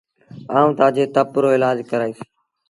آئوٚݩ تآجي تپ رو ايلآج ڪرآئيٚس۔